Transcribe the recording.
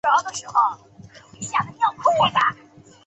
经济这个概念在古希腊跟现代并不相同。